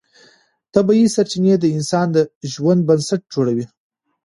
طبیعي سرچینې د انسان د ژوند بنسټ جوړوي